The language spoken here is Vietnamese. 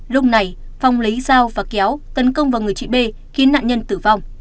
lúc này phong lấy dao và kéo tấn công vào người chị b khiến nạn nhân tử vong